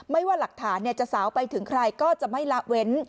ว่าหลักฐานจะสาวไปถึงใครก็จะไม่ละเว้น